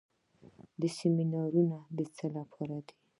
سیمینارونه د څه لپاره دي؟